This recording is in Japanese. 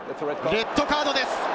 レッドカードです。